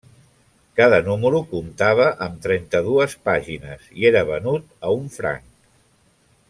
Cada número comptava amb trenta-dues pàgines i era venut a un franc.